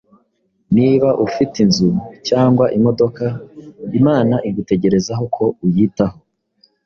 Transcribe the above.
Niba ufite inzu cyangwa imodoka, Imana igutegerezaho ko uyitaho.